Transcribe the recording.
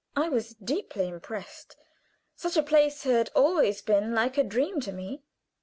I was deeply impressed; such a place had always been like a dream to me.